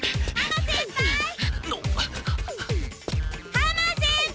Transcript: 浜先輩！